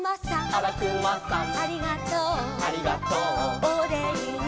「あらくまさん」「ありがとう」「ありがとう」「おれいに」